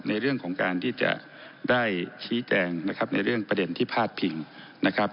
ในเรื่องของการที่จะได้ชี้แจงนะครับในเรื่องประเด็นที่พาดพิงนะครับ